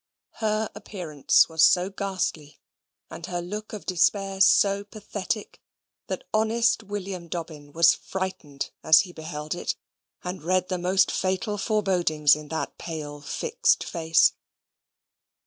Her appearance was so ghastly, and her look of despair so pathetic, that honest William Dobbin was frightened as he beheld it; and read the most fatal forebodings in that pale fixed face.